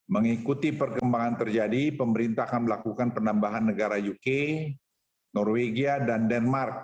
mengikuti perkembangan terjadi pemerintah akan melakukan penambahan negara uk norwegia dan denmark